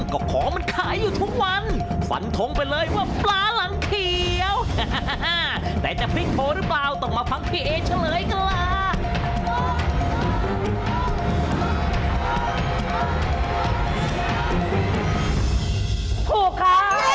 ก็ของมันขายอยู่ทุกวันฝันทงไปเลยว่าปลาหลังเขียวแต่จะพลิกโผล่หรือเปล่าต้องมาฟังพี่เอเฉลยกันล่ะ